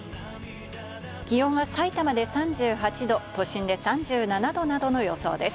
気温は、さいたまで３８度、都心で３７度などの予想です。